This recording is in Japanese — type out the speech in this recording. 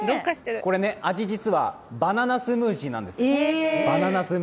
これ、味、実はバナナスムージーなんです。